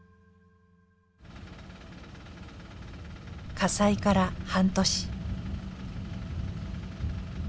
火災から半年。